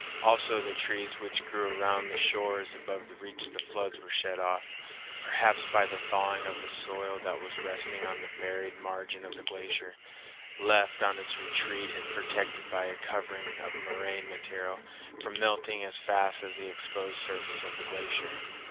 Also the trees which grew around the shores above reach of floods were shed off, perhaps by the thawing of the soil that was resting on the buried margin of the glacier, left on its retreat and protected by a covering of moraine material from melting as fast as the exposed surface of the glacier.